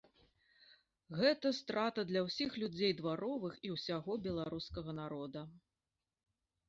Гэта страта для ўсіх людзей дваровых і ўсяго беларускага народа.